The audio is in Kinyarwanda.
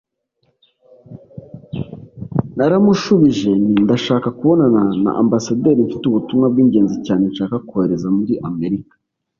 naramushubije nti ndashaka kubonana na ambasaderi mfite ubutumwa bw ingenzi cyane nshaka kohereza muri amerika